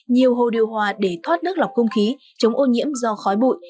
nhiều hồ điều hòa để thoát nước lọc không khí chống ô nhiễm do khói bụi